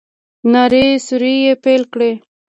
نارې سورې يې پيل کړې.